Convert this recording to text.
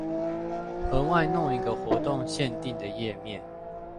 額外弄一個活動限定的頁面